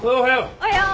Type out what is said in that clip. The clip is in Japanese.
おはよう。